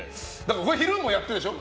昼もやってるんでしょ。